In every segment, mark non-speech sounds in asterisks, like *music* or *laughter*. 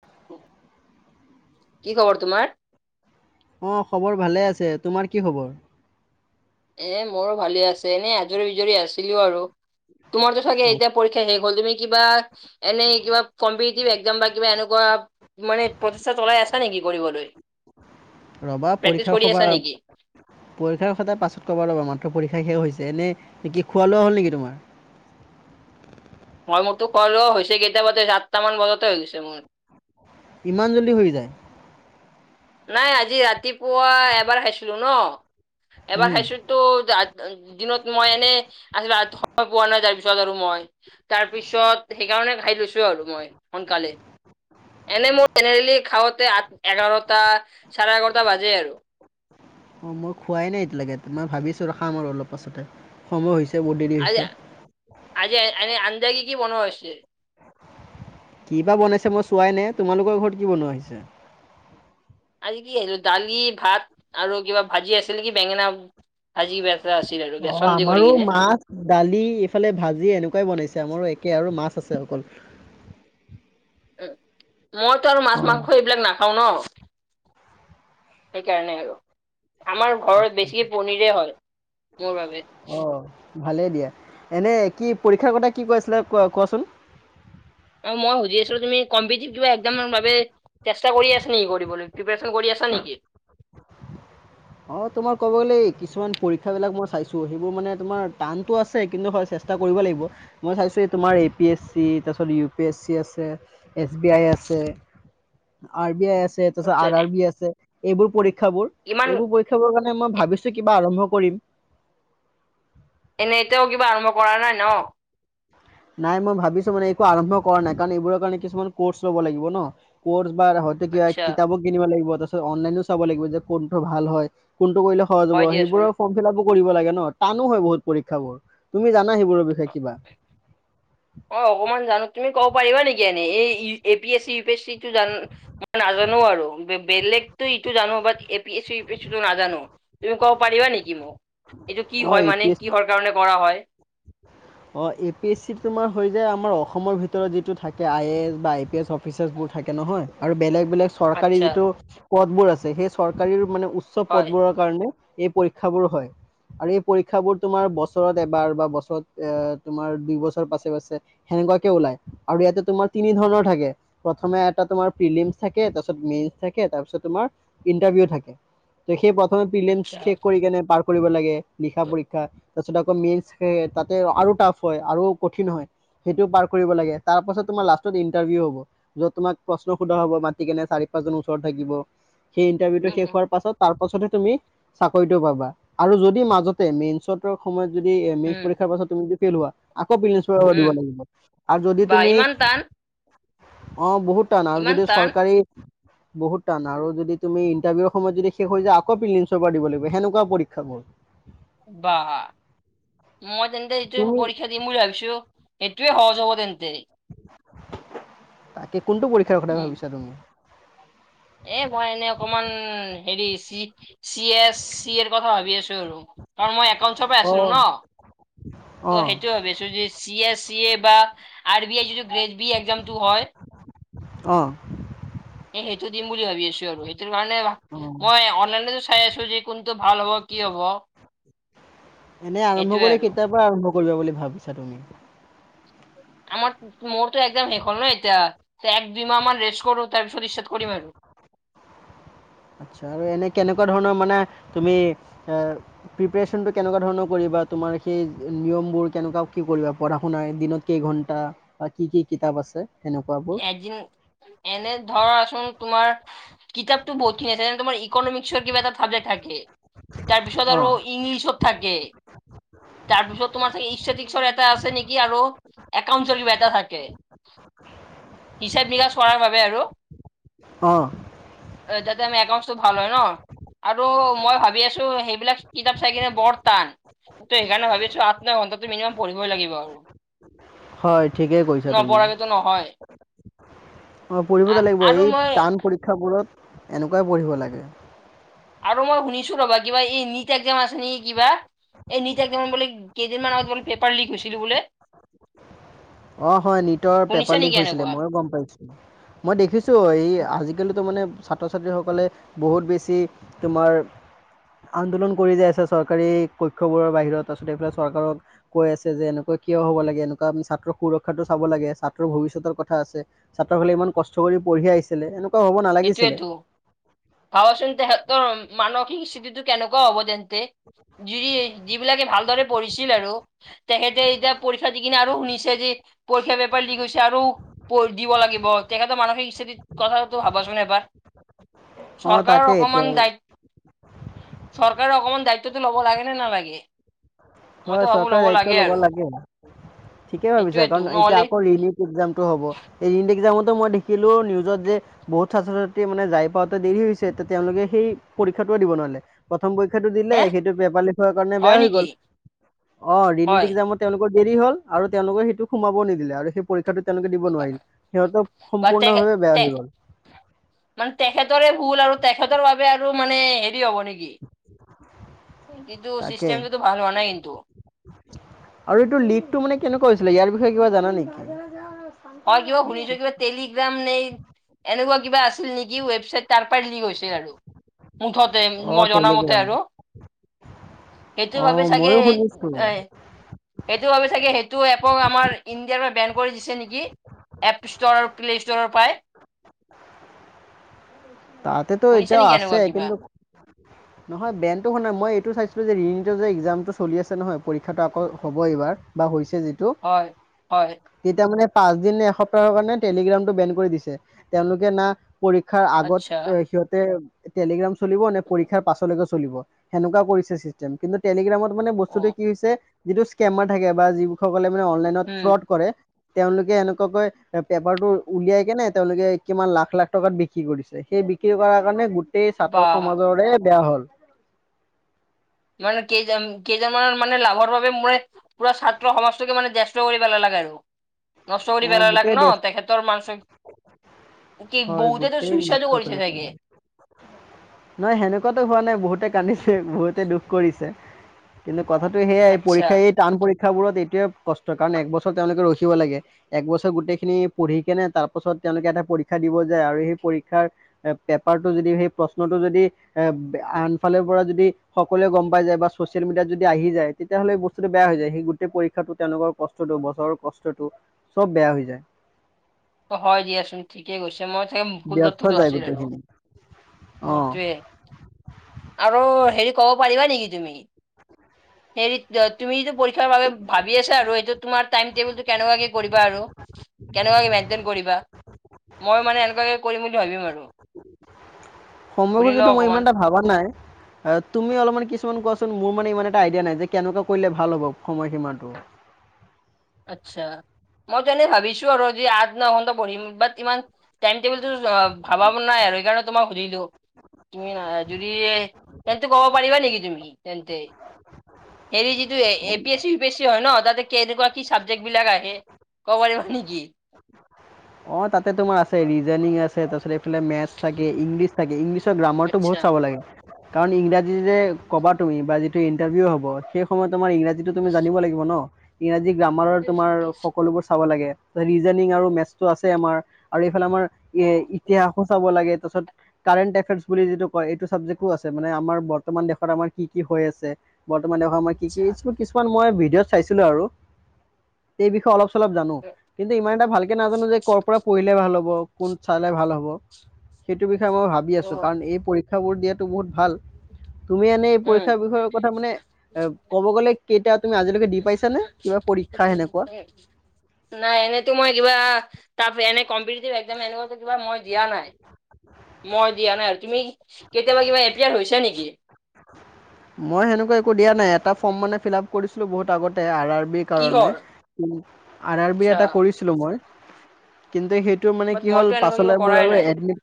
*unintelligible* কি খবৰ তোমাৰ। অ খবৰ ভালে আছে তোমাৰ কি খবৰ। এ মোৰো ভালে আছে এনে আজৰি বিজৰি আছিলো আৰু তোমাৰতো চাগে অ এতিয়া পৰীক্ষা শেষ, তুমি কিবা এনে কিবা কমপিতিফ একজাম বা কিবা এনেকুৱা মানে প্ৰচেষ্টা চলায়, আছা নেকি কৰিবলৈ। ৰবা প্ৰেক্টিচ পৰীক্ষাৰ কৰি সভা আছা নেকি? পৰীক্ষাৰ সদাৰ পাছত, কব ল'বা মাত্ৰ পৰীক্ষা শেষ হৈছে এনে নেকি খোৱা লোৱা হ'ল নেকি তোমাৰ। মই মটো কলো হৈছে কেইটা বজাত চাতটা মান বজাতে হৈ গৈছে মোৰ। ইমান জলি হৈ যায়। নাই আজি ৰাতিপুৱা এবাৰ খাইছিলো ন এবাৰ উম খাইছিলো তো দিনত মই এনেই আছিল সময় পোৱা নাই তাৰপিছত আৰু মই, তাৰপিছত সেইকাৰণে গাড়ী লৈছো আৰু মই সোনকালে। এনে মই জেনেৰেলি খাওঁতে আঠ এঘাৰটা চাৰে এঘাৰটা বাজে আৰু অ মই খোৱাই নাই এতিয়ালৈকে মই ভাবিছো ৰখাম আৰু অলপ পাছতে সময় হৈছে। ব দেৰি আজি হৈছে। আজি এনে আঞ্জা এনে কি কি বনোৱা হৈছে। কি বা বনাইছে মই চোৱাই নাই তোমালোকৰ ঘৰত কি বনোৱা হৈছে। আজি কি দালি ভাত আৰু কিবা ভাজি আছিল নেকি বেঙেনা ভাজি কিবা এটা আছিল। আৰু অ বেচন দি কৰি আমাৰো কিনে মাছ দালি এইফালে ভাজি এনেকুৱাই বনাইছে। আমাৰো একে আৰু মাছ আছে অকল উ মইতো আৰু মাছ অ মাংস এইবিলাক নাখাওঁ ন সেইকাৰণেই আৰু আমাৰ ঘৰত বেছিকে পনীৰে হয় মোৰ বাবে অ ভালেই দিয়া এনে কি পৰীক্ষাৰ কথা কি কৈ আছিলে ক কোৱাচোন আৰু মই সুজি আছিলো তুমি কম্পিতেভ ক এক্সামৰ বাবে চেষ্টা কৰি আছ নি দিবলে প্ৰিপাৰসন কৰি আছা নেকি অ তোমাৰ ক'ব গ'লে কিছুমান পৰীক্ষা বিলাক মই চাইছো সেইবোৰ মানে তোমাৰ টানতো আছে কিন্তু হয় চ চেষ্টা কৰিব লাগিব মই চাইছোঁ এই তোমাৰ এ পি এছ চি তাৰপিছত ইউ পি এছ চি আছে এছ বি আই আছে আছে আৰ বি আই এছ আছে তাৰ পিছত আচ্ছা আৰ আৰ বি আছে এইবোৰ পৰীক্ষা বোৰ ইমান এইবোৰ পৰীক্ষা বোৰৰ কাৰণে মই ভাবিছো কিবা আৰম্ভ কৰিম এনেই এতিয়াও কিবা আৰম্ভ কৰা নাই ন নাই মই ভাবিছো মানে একো আৰম্ভ কৰা নাই কাৰন এইবোৰৰ কাৰণে কিছুমান কোৰ্চ লব লাগিব ন বা হয়তো কিবা আচ্ছা কিতাপো কিনিব লাগিব তাৰপিছত অনলাইনও চাব লাগিব যে কোনটো ভাল হয় কোনটো কৰিলে সহজ হব হয় দিয়াচোন সেইবোৰৰ ফৰ্ম ফিলাপো কৰিব লাগে ন তানো হয় বহুত পৰীক্ষা বোৰ তুমি নাই সিবোৰৰ বিষয়ে কিবা। অ অকমান জানো তুমি ক'ব পাৰিবা নেকি এনেই A P S C E P S চিটো মই জান নাজানো জানো আৰু বেলেগতো ইটো জানো বাত A P AC C U P S C টো নাজানো তুমি ক'ব পাৰিবা নেকি মোক এইটো কি অ হয় এ পি মানে কিহৰ কাৰণে কৰা হয় অ এ পি এছ চি তোমাৰ হৈ যায় আমাৰ অসমৰ ভিতৰত যিটো থাকে আই এ এছ বা আই পি এছ অফিচাৰ বোৰ থাকে নহয় আৰু বেলেগ বিলাক চৰকাৰী আচ্ছা যিটো পদবোৰ আছে সেই চৰকাৰীৰ মানে উচ্চ হয় পদবোৰৰ কাৰণে এই পৰীক্ষাবোৰ হয় আৰু এই পৰীক্ষাবোৰ তোমাৰ বছৰত এবাৰ বা বছৰত এ তোমাৰ দুই বছৰ পাছে পাছে সেনেকুৱাকে ওলাই আৰু ইয়াতে তোমাৰ তিনি ধৰণৰ থাকে। সময় এটা তোমাৰ পিলিম থাকে, তাৰপিছত মেনচ থাকে, তাৰপিছত তোমাৰ ইাণ্টৰভিউ থাকে। *unintelligible* প্ৰথমে পিলিয়েম আচ্ছা শেষ কৰি কেনে পাৰ কৰিব লাগে লিখা পৰীক্ষা তাৰপিছত আকৌ মেইন তাত আৰু টাফ হয় আৰু কঠিন হয়। সেইটো পাৰ কৰিব লাগে, তাৰপাছত তোমাৰ লাষ্টত ইন্টাৰভিউ হব যত তুমাক প্ৰশ্ন সোধা হ'ব মাতি কেনে চাৰি পাঁচজন ওচৰত থাকিব সেই ইন্টাৰভিউটো শেষ উম হোৱাৰ পাছত তাৰপাছত ছতহে তুমি চাকৰিটো পাবা, আৰু যদি মাজতে মেইচ তৰ সময়ত যদি উম আক তুমি যদি ফেইল হোৱা আকৌ প্ৰিলিমছ বাবে দিব উম লাগিব আৰু যদি বা তুমি ইমান টান অ বহুত টান আৰু ইমান যদি টান চৰকাৰী বহুত টান আৰু যদি তুমি ইণ্টাৰভিউৰ সমত যদি শেষ হৈ যায় আকৌ প্ৰিলিমচৰ পৰা দিব লাগিব সেনেকুৱা পৰীক্ষাবোৰ। *inaudible* বাহ মই তেন্তে এইটোৱে তুমি পৰীক্ষা দিম বুলি ভাবিছো। সেইটোৱে সহজ হব তেন্ত তাকে কোনটো পৰীক্ষাৰ কথা উম ভাবিছা তুমি? এ মই এনে অকমান হেৰি C C S, C R কথা ভাবি আছো আৰু কাৰণ মই একাউন্টছৰ পৰা আছিলো অ ন। ত অঁ সেইটো যদি চি এছ ই এ বা, আৰ বি আই যিটো গ্ৰেজ একজামটো হয়। অঁ। এ সেইটো দিম বুলি ভাবি আছো আৰু, সেইটো কাৰণে অঁ মই অনলাইনতো চাই আছো যে, কোনটো ভাল হব কি হব এনেই আৰম্ভ সেইটোৱে কৰিলে আৰু, কেতিয়াৰ পৰা আৰম্ভ কৰিবা বুলি ভাবিছা তুমি, আমাৰ, মোৰটো একদম সেইখন এ এতিয়া। এক দুই মাহ মান ৰেষ্ট কৰো তাৰপিছত ইষ্টাৰত কৰিম আৰু। আৰ্টছা আৰু এনেই কেনেকুৱা ধৰণৰ মানে তুমি প্ৰিপাৰেচন কেনেকুৱা ধৰণৰ কৰিম, বা তোমাৰ সেই নিয়ম বোৰ কেনেকুৱাও কি কৰিবা পঢ়া শুনাই দিনত কেই ঘন্টা বা কি কি কিতাপ আছে। সেনেকুৱাবোৰ এদিন এনে ধৰা চোন তোমাৰ কিতাপতো বহুতখিনি আছে যে তোমাৰ, ইকনমিক্সৰ কিবা এটাাবজেক্ট থাকে তাৰ পিছত অঁ আৰু ইংলিছত থাকে, *inaudible* তাৰ পিছত তোমাৰ ই স্তেটিক্ত এটা আছে নেকি আৰু একাউৰ কিবা এটা থাকে। *inaudible* হিচাপ নিকাচ কৰাৰ বাবে আৰু, অঁ। যাতে আমাৰ একাউন্টছটো ভালো হয় ন। আৰু মই ভাবি আছো সেইবিলাক কিতাপ চাই কিনে বৰ টান। তই সেইকাৰে ভাবিছো, আঠ ন ঘণ্টাাতটো মিনিমাম পঢ়িবই লাগিব আৰু হয় ঠিকেই কৈছা তুমি নপঢ়ৰাকেতো নহয়, অ পঢ়িবতে লাগিব আৰু এই মই টান পৰীক্ষাবোৰত এনেকুৱাই পঢ়িব লাগে। আৰু মই শুনিছো ৰ'বা, কিবা এই নীত এক্জাম আছে নেকি কিবা। এই নিজেদম বোলে কেইদিনমান আগত বোলে পেপাৰ লিক হৈছিলো বোলে অ হয় নটৰ শুনিছা পেপাৰ লিক নেকি হৈছিলে এনেকুৱা মইও গম পাইছোঁ। মই দেখিছো এই আজিকালিও মানে ছাত্ৰ ছাত্ৰীসকলে বহুত বেছি তোমাৰ আন্দোলন কৰি যাই আছে চৰকাৰী পক্ষবোৰৰ বাহিৰত তাৰিছতে এইফালে চৰকাৰক কৈ আছে যে এনেকুৱা - - কিয় হ'ব লাগে এনেকুৱা আমি ছাত্ৰ সুৰক্ষাতটো চাব লাগে ছাত্ৰৰ ভৱিষ্যতৰ কথা আছে ছাত্ৰৰ ফালে ইমান কষ্ট কৰি পঢ়ি আহছিলে এনেকুৱা হ'ব নালাগিছিলে সেইটোৱেতো চাবাচোন তে মানসিক স্থিতিটো কেনেকুৱা হ'ব তেন্তে, যি যিবিলাকে ভালদৰে পঢ়িছিল আৰু তেখেতে এতিয়া পৰীক্ষা দি কিনে আৰু শুনিছে যে। পৰীক্ষাৰ পেপাৰ লিক হৈছে আৰু দিব লাগিব তেখেতৰ মানসিক স্থিতিত কথা, ভাবাচোন এবাৰ অঁ চৰকাৰৰ তাকে এতিয়া অকমান দায়িত্ব - চৰকাৰে অকমান দায়িত্বটো ল'ব লাগে নে নালাগে? হয় মইতো ভাবো চৰকাৰী দায়িত্ব ল'ব আৰু লাগে। ঠিকেই ভাবিছা সেইটোয়েতো কাৰণ এতিয়া নহ'লে কাৰণ ৰিনিক হ'ব এইত মই দেখিলো নিউজত যে বহুত ছাত্ৰ ছাত্ৰী মানে যাই পাওঁতে দেৰি হৈছে এতিয়া তেওঁলোকে সেই পৰীক্ষাত দিব নোৱাৰে, প্ৰ পৰক্ষটো দিলে হে সেইটো পেপাৰ লি কাৰণ বেয়া হয় হৈ নেকি? গল অ,, হয় দেৰি হল আৰু তেওঁলোকে সেইটো সোমাব নিদিলে আৰু সেই পৰীক্ষাটো তেওঁলোকে দিব বা নোৱাৰিল সিহঁতৰ বা তে সম্পূৰ্ণভাৱে বেয়া তে হৈ গ'ল মানে তেখেতৰে ভুল আৰু তেখেতৰ বাবে আৰু মানে, নেকি কিন্তু তাকে চিছটোতো ভাল হোৱা নাই কিন্তু, আৰু এইটো লীডটো মানে কেনেকুৱা হৈছিলে ইয়াৰ বিষয়ে কিবা জানা নেকি? হয় কিবা শুনিছো কিবা টেলিগ্ৰাম নেই এনেকুৱা কিবা আছিল নেকি ৱেবছাইত তাৰ পৰাই লীক হৈছে আৰু। মুঠতে অঁ মই জনা মতে টেলিগ্ৰাম আৰু। সেইটো অঁ বাবে চাগে ময়ো শুনিছোঁ এ, সেইটো বাবে চাগে সেইটো এইটো এপক আমাৰ ইণ্ডিয়াৰ পৰা বেন কৰি দিছে নেকি। এপ ষ্টৰ, প্লে ষ্টৰৰ পৰাই। তাতেতো শুনিছে এতিয়াও নেকি আছে এনেকুৱা কিবা কিন্তু নহয় বেনটো মানে মই এইটো চাইছো এইটো যে *unintelligible* এক্সাম টো চলি আছে নহয় পৰীক্ষাটো আকৈ এবাৰ হব এইবাৰ, *unintelligible* *unintelligible* যিটো, হয় হয় তেতিয়া মানে পাঁচ দিন নে এসপ্তাহৰ কাৰণে টেলিগ্ৰামটো বেন কৰি দিছে, তেওঁলোকে না পৰীক্ষাৰ আগত আচ্ছা *unintelligible* সিহঁতে টেলিগ্ৰাম চলিব নে পৰীক্ষাৰ পাছলৈকে চলিব, সেনেকুৱা কৰিছে চিষ্টেম কিন্তু টেলিগ্ৰামত মানে বস্তু অ কি হৈছে যিটো স্কেমাৰ থাকে বা যিসকলে মানে অনলাইনত উম ফ্ৰড কৰে তেওঁলোকে এনেকুৱাকৈ পেপাৰটো উলিয়াই কেনে তেওঁলোকে কিমান লাখ লাখ টকাত বিক্ৰী কৰিছে। সেই বিক্ৰী কৰাৰ কাৰণে গোটেই বা ছাত্ৰ সমাজৰে বেয়া হ'ল। মানে কেইজন-কেইজনমানৰ মানে লাভৰ বাবে মানে পুৰা ছাত্ৰ সমাজকে মানে *unintelligible* কৰি পেলালে। *unintelligible* নষ্ট কৰি অ পেলালে ক গোটেই ন, দেশ তেখেতৰ মান কি হয় বহুতেতো গোটেই নষ্ট সুস্বাদু কৰি কৰিছে চাগে। পেলালে। নহয় সেনেকোৱাটো হোৱা নাই বহুতে কান্দিছে বহুতে দুখ কৰিছে কিন্তু কথাটো সেয়াই আচ্ছা পৰীক্ষাই এই টান পৰী শিক্ষাবোৰত এইটোৱে কষ্ট কাৰণ একবছৰ তেওঁলোকে ৰখিব লাগে। এক বছৰ গোটেইখিনি পঢ়ি কেনে তাৰ পাছত তেওঁলোকে এটা পৰীক্ষা দিব যায় আৰু সেই পৰীক্ষাৰ *unintelligible* *unintelligible* যদি সেই প্ৰশ্নটো যদি এ আনফালৰ পৰা যদি সকলোৱে গম পাই যায় বা ছচিয়েল মিডিয়াত যদি আহি যায় তেতিয়াহ'লে এই বস্তুটো বেয়া হৈ যায় সেই গোটেই পৰীক্ষাটো তেওঁলোকৰ কষ্টটো বছৰৰ কষ্টটো চব বেয়া হৈ যায় অ হয় দিয়াচোন ঠিকেই কৈছে মই তাকে ভুল ব্যৰ্থ তথ্যটো যায় আছিল আৰু গোটেইখিনি অ'। সেইটোৱে আৰু হেৰি কব পাৰিবা নেকি তুমি হেৰি তুমি যিটো পৰীক্ষাৰ বাবে ভাবি আছা আৰু এইটো তোমাৰ টাইম টেবুলটো কেনেকুৱাকে কৰিবা আৰু কেনেকুৱা কে মেইন্টেইন কৰিবা মই মানে এনেকুৱাকে কৰিম বুলি ভাবিম আৰু সময় সুধি লওঁ সুজটো মই অকমান ইমান এটা ভাবা নাই আহ তুমি অলপমান কিছুমান কোৱা চোন মোৰ মানে ইমান এটা আইডিয়া নাই যে কেনেকুৱা কৰিলে ভাল হ'ব সময় সীমাটো আচ্ছা মই টো এনেই ভাবিছো আৰু যি আঠ ন ঘন্টা পঢ়িম বাট ইমান টাইম টেবুলটো অ ভাবা নাই আৰু সেইকাৰণে তোমাক সুধিলো তুমি যদি তেন্তে কব পাৰিবা নেকি তুমি তেন্তে হেৰি যিটো A P S C, U P S C হয় ন তাতে কে কেনেকুৱা কি চাবজেক্ট বিলাক আহে ক'ব পাৰিব নেকি? অ তাতে তোমাৰ আছে ৰিজনিং আছে তাৰপিছত এইফালে মেথছ থাকে ইংলিছ থাকে ইংলিছ চত গ্ৰামাৰ টো বহুত আচ্ছা। চাব লাগে কাৰণ ইংৰাজী যে অ', কবা তুমি বা ইন্টাৰভিউ হ'ব সেই সময়ত তোমাৰ ইংৰাজীতো তুমি জানিব লাগিব ন ইংৰাজী গ্ৰামাৰৰ তোমাৰ সকলোবোৰ চাব লাগে ৰিজনিং আৰু মেছ আমাৰ আৰু এইফালে আমাৰ এ ইতিহাসো চাব লাগে তাৰপিছত কাৰেণ্ট এফয়াৰ্চ বুলি যিটো কয় এইটো চাবজেক্টকো আছে মানে আমাৰ বৰ্তমান দেশত আমাৰ কি কি হৈ আছে বৰ্তমান দেশৰ সময়ত কি কি আচ্ছা কিছুমান মই ভিডিঅ'ত চাইছিলো আৰু সেই বিষয়ে অলপ চলপ জানো কিন্তু ইমান এটা ভালকে নাজানো যে কৰ' পৰা পঢ়িলে ভাল হ'ব কোন চালে ভাল হ'ব সেইটো বিষয়ে মই ভাবি আছো অ', কাৰণ এই পৰীক্ষাবোৰ দিয়াত ভ তুমি এনে পৰক্ষ উম। বিষয় কথা মানে ক'ব গলে কেই সেনেকুৱা নাই এনেই তোমই কিবা তাৰ এনে কম্পিটিভ এক্সাম এনেকুৱা কিবা মই দিয়া নাই। মই দিয়া নাই তুমি কেতিয়াবা কিবা এপ্লাই হৈছে নেকি। মই সেনেকুৱা একো দিয়া নাই। এটা ফৰ্ম মানে ফিল আপ কৰিছিলোঁ বহুত আগতে কিহৰ? আৰ আৰ বি আচ্ছা এটা কৰিছিলো মই কিন্তু সেই সটো মানে বাট কি হ'ল মইতো পাছ এনেকুৱা কিবা মোৰ কৰাই আৰু নাই এডমিট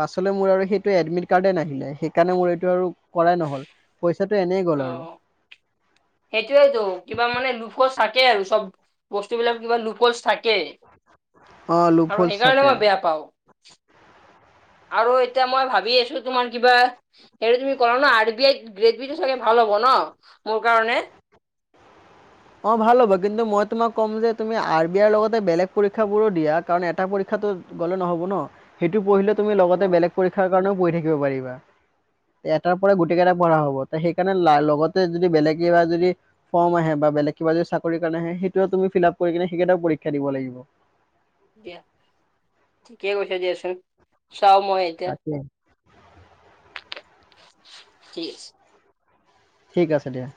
পাছ মোৰ আৰু সেইটো এডমিট কাৰ্ডে নাহিলে সেইকাৰে মোৰটো কৰাই নহল এনেই গ'ল অ', আৰু সেইটোৱেইতো কিবা মানে লোফো চাকে আৰু। চব বস্তুবিলাক কিবা নোপলচ থাকে অ আৰু লোফলচ সেইকাৰণে থাকে মই বেয়া পাওঁ। *unintelligible* আৰু এতিয়া মই ভাবি আছো তোমাৰ কিবা সে তুমি ক ন আৰ বি আই গ্ৰেড বিটো চাগে ভাল হব ন মোৰ কাৰণে *unintelligible* অ', ভাল হ'ব কিন্তু মই তোমাক কম যে তুমি আৰ বি আৰৰ লগতে বেলেগ পৰীক্ষা বোৰো দিয়া কাৰণ এটা পৰীক্ষা গলে নহ'ব ন সেইটো পঢ়িলে তুমি অ লগতে বেলেগ পৰীক্ষাৰ কাৰণেও পঢ়ি থাকিব পাৰিবা। এটাৰ পৰা গোটেই কেইটা পঢ়া হ'ব সেইকাৰণে লগতে যদি বেলেগ কিবা যদি ফৰ্ম আহে বা বেলেগ কিবা যদি চাকৰিৰ কাৰণে আহে সেইটো তুমি ফিল আপ কৰি কিনে সেইকেইটাও পৰীক্ষা দিব লাগিব। দিয়া ঠিকেই কৈছা দিয়াচোন চাও মই এতিয়া তাকে থিক আছে। ঠিক, আছে দিয়া।